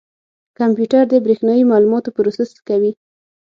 کمپیوټر د برېښنایي معلوماتو پروسس کوي.